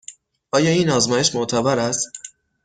آیا این آزمایش معتبر است؟